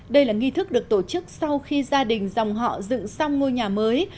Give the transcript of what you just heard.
đây là nghi thức được tổ chức sau khi gia đình dòng họ dựng xong ngôi nhà mới